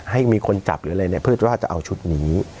ให้มีคนจับหรืออะไรเนี่ยเพื่อว่าจะเอาชุดนี้